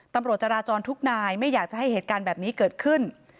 ตำรวจจราจรทุกนายไม่อยากจะให้เหตุการณ์แบบนี้เกิดขึ้น